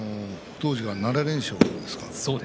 富士は７連勝ですか。